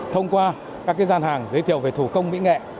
thông qua các gian hàng giới thiệu về thủ công mỹ nghệ